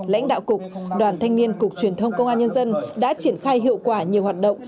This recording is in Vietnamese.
lãnh đạo cục đoàn thanh niên cục truyền thông công an nhân dân đã triển khai hiệu quả nhiều hoạt động